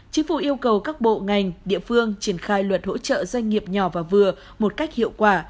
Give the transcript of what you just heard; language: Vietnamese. chính phủ yêu cầu các bộ ngành địa phương triển khai luật hỗ trợ doanh nghiệp nhỏ và vừa một cách hiệu quả